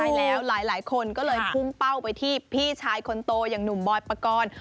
ใช่แล้วหลายคนก็เลยพุ่งเป้าไปที่พี่ชายคนโตอย่างหนุ่มบอยปกรณ์